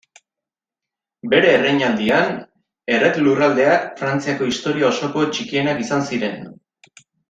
Bere erreinaldian erret-lurraldeak Frantziako historia osoko txikienak izan ziren.